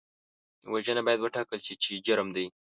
وژنه باید وټاکل شي چې جرم دی